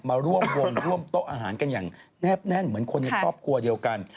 มาร่วมวงร่วมโต๊ะอาหารกันอย่างแนบแน่นเหมือนคนในครอบครัวเดียวกัน